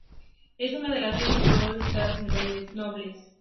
Es una de las seis necrópolis situadas en el Valle de los Nobles.